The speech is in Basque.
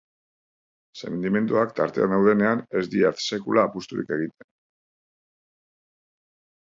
Sentimenduak tartean daudenean, ez diat sekula apusturik egiten.